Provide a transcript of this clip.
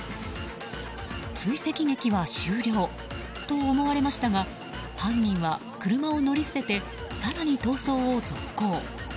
追跡劇は終了と思われましたが犯人は車を乗り捨てて更に逃走を続行。